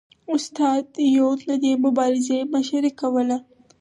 استاد یون د دې مبارزې مشري کوله